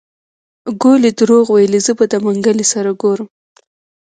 ګولي دروغ ويلي زه به د منګلي سره ګورم.